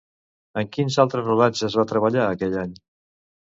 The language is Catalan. En quins altres rodatges va treballar aquell any?